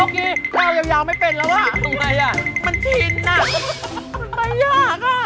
เกลายาวยาวไม่เป็นแล้วล่ะมันชิ้นน่ะมันไม่ยากอ่ะ